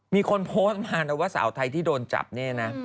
มีคนโพสต์มานะว่าสาวไทยที่โดนจับเนี่ยนะ